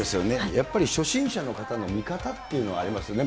やっぱり初心者の方の見方っていうのはありますよね。